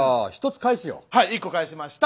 はい１個返しました。